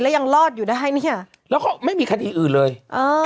แล้วยังรอดอยู่ได้เนี่ยแล้วก็ไม่มีคดีอื่นเลยเออ